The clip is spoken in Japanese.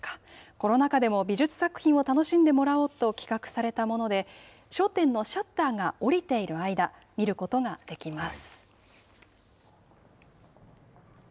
コロナ禍でも美術作品を楽しんでもらおうと企画されたもので、商店のシャッターが下りている間、見ることができます。